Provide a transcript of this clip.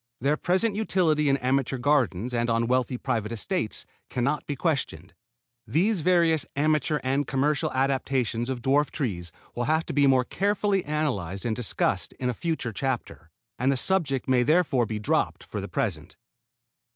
Their present utility in amateur gardens and on wealthy private estates can not be questioned. These various amateur and commercial adaptations of dwarf trees will have to be more carefully analyzed and discussed in a future chapter, and the subject may therefore be dropped for the present.